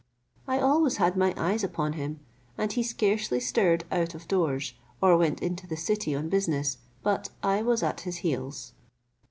I always had my eyes upon him, and he scarcely stirred out of doors, or went into the city on business, but I was at his heels.